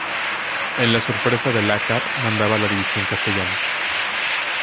En la sorpresa de Lácar mandaba la división castellana.